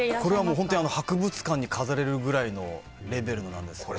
本当に博物館に飾れるぐらいのレベルのなんですけど。